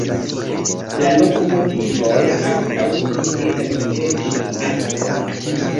La lokomotivoj ankaŭ tie ricevis akvon.